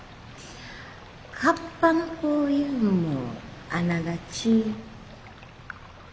カッパの子いうんもあながち。